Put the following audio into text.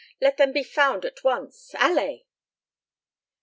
Let them be found at once. Allez!"